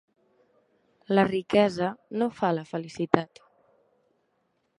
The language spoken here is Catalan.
La riquesa no fa la felicitat.